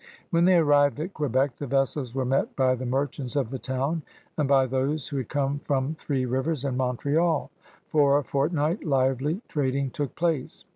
When th^ arrived at Que bec> the vessels were met by the merchants of the town and by those who had come from Three Rivers and Montreal. For a fortnight lively trading took place.